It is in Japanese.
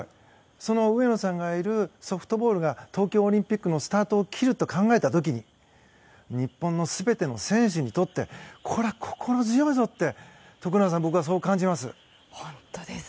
その上野さんがいるソフトボールが東京オリンピックのスタートを切るって考えた時に日本の全ての選手にとってこれは心強いぞと徳永さん、僕はそう感じます。